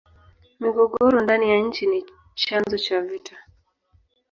migogoro ndani ya nchi ni chanzo cha vita